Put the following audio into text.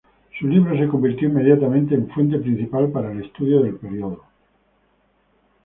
Su libro se convirtió inmediatamente en fuente principal para el estudio del período.